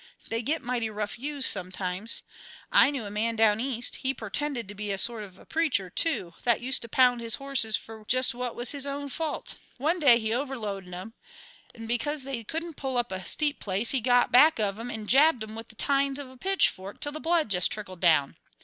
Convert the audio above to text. They get mighty rough used some times. I knew a man down East; he purtended to be a sort of a preacher, too, that used to pound his horses fer just what was his own fault. One day he overloaded 'em, 'nd because they couldn't pull up a steep place he got back of 'em 'nd jabbed 'em with the tines o' a pitchfork till the blood jest trickled down.